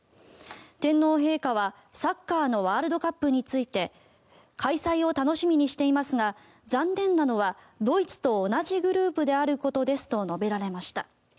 天皇陛下はサッカーのワールドカップについて開催を楽しみにしていますが残念なのはドイツと同じグループであることですと述べられました。